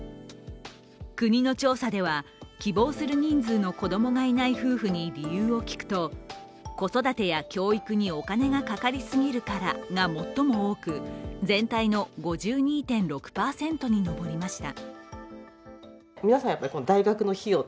国の調査では、希望する人数の子供がいない夫婦に理由を聞くと子育てや教育にお金がかかり過ぎるからが最も多く全体の５２．６％に上りました。